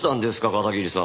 片桐さん。